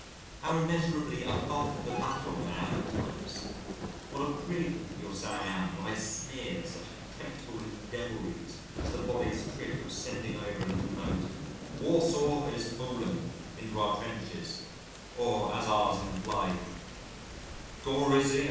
How immeasureably "above the battle" I am at times. What a prig you will say I am when I sneer at such contemptible little devilries as the Bodies' trick of sending over a little note, "Warsaw is fallen," into our trenches, or as ours in reply: "Gorizia!"